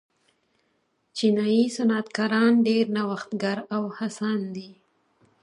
چینايي صنعتکاران ډېر نوښتګر او هڅاند دي.